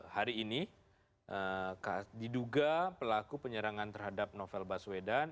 hari ini diduga pelaku penyerangan terhadap novel baswedan